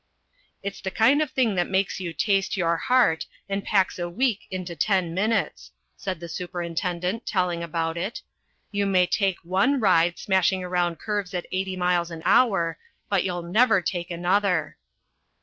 "It's the kind of thing that makes you taste your heart, and packs a week into ten minutes," said the superintendent, telling about it. "You may take one ride smashing around curves at 80 miles an hour, but you'll never take another."